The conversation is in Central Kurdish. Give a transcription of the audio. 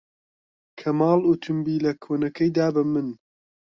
کەمال ئۆتۆمبێلە کۆنەکەی دا بە من.